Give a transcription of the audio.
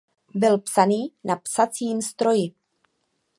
Byl psaný na psacím stroji.